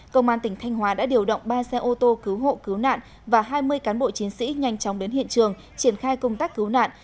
công an tỉnh thanh hóa đã điều động ba xe ô tô cứu hộ cứu nạn và hai mươi cán bộ chiến sĩ nhanh chóng đến hiện trường triển khai công tác cứu nạn